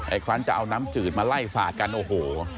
อีกครั้งจะเอาน้ำจืดมาไล่สาดกันโอ้โห